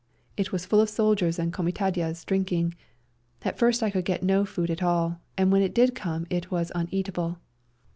It was full of soldiers and comitadjes drinking. At first I could get no food at all, and when it did come it was uneatable.